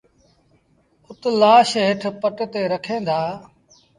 اُت لآش هيٺ پٽ تي رکين دآ